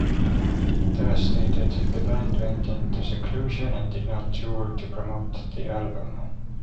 Devastated, the band went into seclusion and did not tour to promote the album.